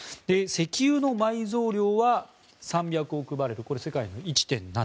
石油の埋蔵量は３００億バレルこれ、世界の１．７％。